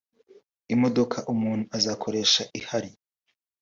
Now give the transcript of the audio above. imodoka umuntu azakoresha ahari